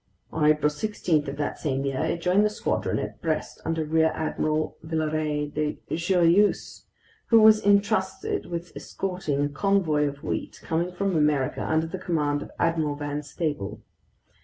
On April 16 of that same year, it joined the squadron at Brest under Rear Admiral Villaret de Joyeuse, who was entrusted with escorting a convoy of wheat coming from America under the command of Admiral Van Stabel.